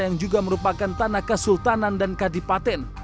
yang juga merupakan tanah kas sultanan dan kadipaten